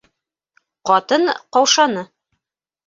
- Ҡатын ҡаушаны.